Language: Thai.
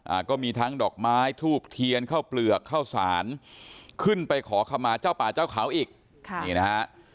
อ่าก็มีทั้งดอกไม้ทูบเทียนเข้าเปลือกข้าวสารขึ้นไปขอขมาเจ้าป่าเจ้าเขาอีกค่ะนี่นะฮะ